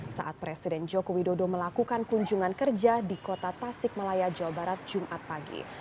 saat presiden joko widodo melakukan kunjungan kerja di kota tasik malaya jawa barat jumat pagi